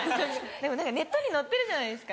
でも何かネットに載ってるじゃないですか。